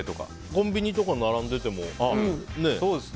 コンビニとかで並んでてもね。